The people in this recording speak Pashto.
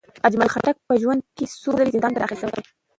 اجمل خټک په ژوند کې څو ځلې زندان ته داخل شوی.